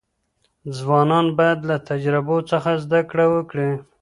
ځوانان باید له تجربو څخه زده کړه وکړي.